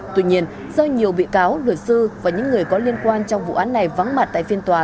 tuy nhiên do nhiều bị cáo luật sư và những người có liên quan trong vụ án này vắng mặt tại phiên tòa